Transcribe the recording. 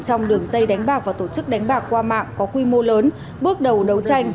trong đường dây đánh bạc và tổ chức đánh bạc qua mạng có quy mô lớn bước đầu đấu tranh